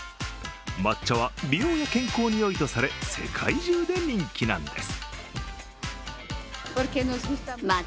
抹茶は美容や健康によいとされ世界中で人気なんです。